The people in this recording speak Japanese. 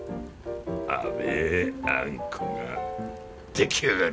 甘えあんこが出来上がる。